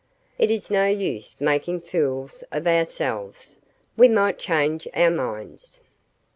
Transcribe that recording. "It is no use making fools of ourselves; we might change our minds."